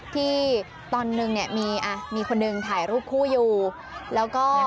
ที่ตอนนึงเนี่ยมีคนหนึ่งถ่ายรูปคู่อยู่แล้วก็